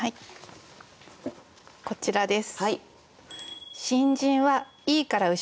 こちらです。